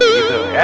nah gitu ya